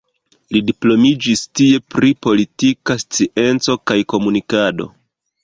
Li diplomiĝis tie pri politika scienco kaj komunikado.